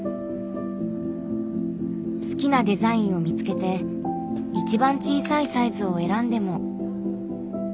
好きなデザインを見つけて一番小さいサイズを選んでも。